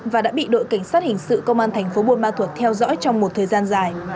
và đã bị đội cảnh sát hình sự công an thành phố buôn ma thuột theo dõi trong một thời gian dài